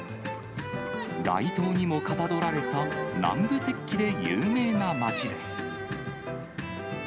街灯にもかたどられた南部鉄器で有名な町です。